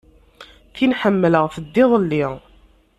Tin ḥemmleɣ tedda iḍelli.